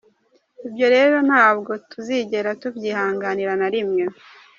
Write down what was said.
Ibyo rero ntabwo tuzigera tubyihanganira na rimwe.